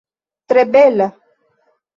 Tre bela!